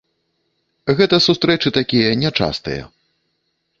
Гэта сустрэчы такія нячастыя.